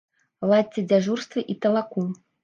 Ладзьце дзяжурствы і талаку.